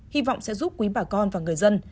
hy vọng sẽ giúp quý bà con và người dân